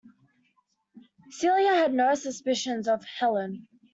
Celia had no suspicions of Helene.